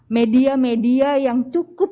media media yang cukup